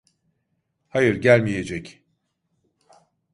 Hayır, gelmeyecek.